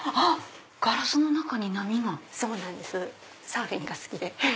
サーフィンが好きで。